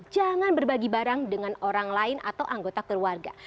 jangan berbagi barang dengan orang lain atau anggota keluarga